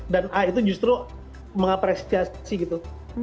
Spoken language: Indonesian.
dan a itu justru mengapresiasi gitu